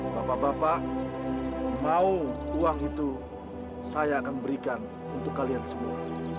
bapak bapak mau uang itu saya akan berikan untuk kalian semua